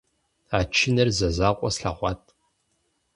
А чыныр зэзакъуэ слъэгъуат.